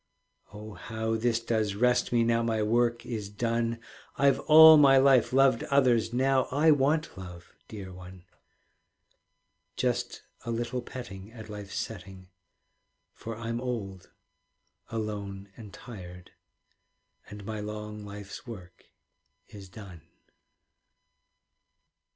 Oh, how this does rest me Now my work is done! I've all my life loved others, Now I want love, dear one. Just a little petting At life's setting; For I'm old, alone, and tired, And my long life's work is done.